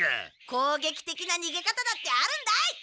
攻撃的な逃げ方だってあるんだい！